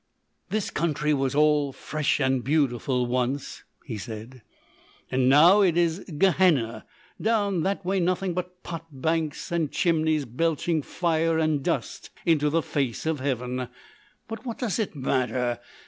"This country was all fresh and beautiful once," he said; "and now it is Gehenna. Down that way nothing but pot banks and chimneys belching fire and dust into the face of heaven.... But what does it matter?